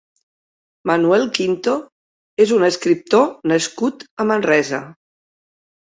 Manuel Quinto és un escriptor nascut a Manresa.